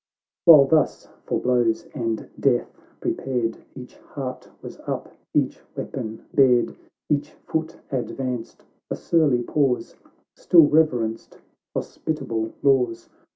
"While thus for blows and death prepared, Each heart was up, each weapon bared, Each foot advanced, — a surly pause Still reverenced hospitable laws.